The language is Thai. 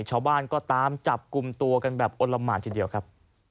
ชาวบ้านก็ตามจับกลุ่มตัวกันแบบอ้นละหมานทีเดียวครับ